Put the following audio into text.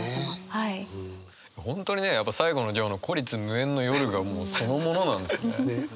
本当にね最後の行の「孤立無援の夜」がもうそのものなんですよね。